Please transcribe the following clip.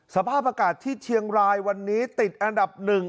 สภาพอากาศที่เชียงรายวันนี้ติดอันดับ๑